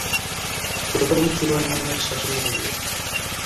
প্রথম সুলাইমানের শাসনামলে।